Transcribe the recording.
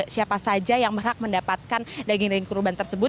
siapa saja yang berhak mendapatkan daging daging kurban tersebut